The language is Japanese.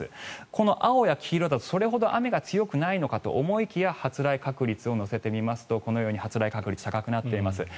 この青や黄色だとそれほど雨が強くないのかと思いきや発雷確率を載せてみますとこのように発雷確率高くなっています。